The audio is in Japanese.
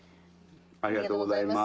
ありがとうございます。